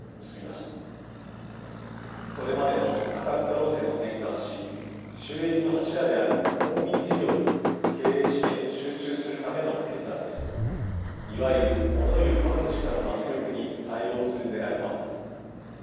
それまでの多角化路線を転換し収益の柱であるコンビニ事業に経営資源を集中するための決断でいわゆる物言う株主からの圧力に対応するねらいもあります。